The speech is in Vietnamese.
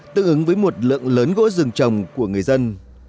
tương ứng với một lượng lớn gỗ rừng trồng của người dân